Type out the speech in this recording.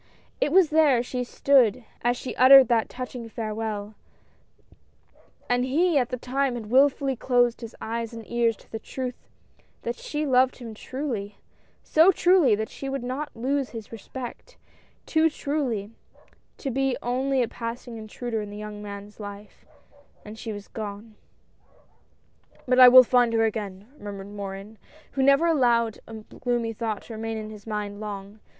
It was there she stood as she uttered that touching farewell — and he at the time had wilfully closed his eyes and ears to the truth that she loved him truly — so truly, that she would not lose his respect — too truly to be only a passing intruder in the young man's life, and she was gone !" But I will find her again !" murmured Morin, who never allowed a gloomy thought to remain in his mind long.